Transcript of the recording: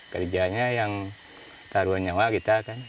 kerjanya yang taruhan nyawa kita kan